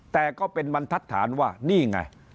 แต่ก็เป็นบรรทัศน์ว่านี่ไง